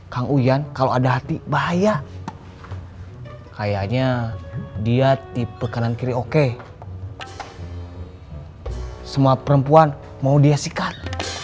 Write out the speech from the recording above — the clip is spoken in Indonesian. kang ujan kalau ada hati bahaya kayaknya dia tipe kanan kiri oke semua perempuan mau dia sikat